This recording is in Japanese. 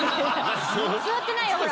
座ってないよほら。